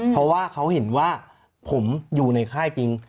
เพราะว่าเขาเห็นว่าผมอยู่ในค่ายจริง